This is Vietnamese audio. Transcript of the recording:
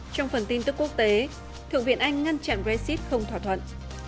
trong phần tin tức quốc tế thượng viện anh ngăn chặn brexit không thỏa thuận